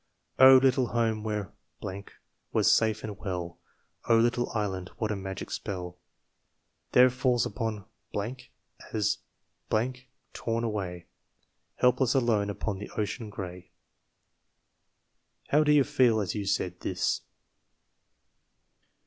Oh! little home where was safe and well Oh! little island! what a magic spell There falls upon as 'm torn away Helpless, alone, upon the ocean gray!" How did you feel as you said this?